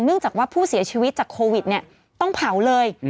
เนื่องจากว่าผู้เสียชีวิตจากโควิดต้องเผาเลย